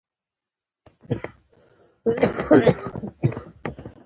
استاد بينوا د ادب له لارې ولس ته پیغام ورساوه.